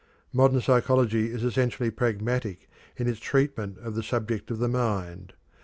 Modern psychology is essentially pragmatic in its treatment of the subject of the mind.